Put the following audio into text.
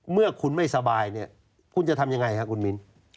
เมื่อคุณไม่สบายเนี่ยคุณจะทำยังไงครับคุณมิ้น